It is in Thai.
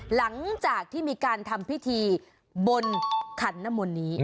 หลังจากที่มีการทำพิธีบนขันนมลนี้